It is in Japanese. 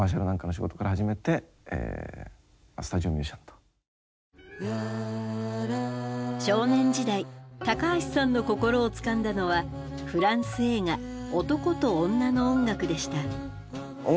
それで少年時代高橋さんの心をつかんだのはフランス映画「男と女」の音楽でした。